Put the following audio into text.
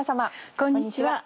こんにちは。